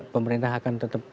pemerintah akan tetap